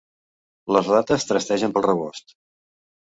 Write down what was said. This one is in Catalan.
Les rates trastegen pel rebost.